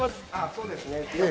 そうですね。